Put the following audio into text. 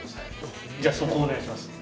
じゃあそこお願いします。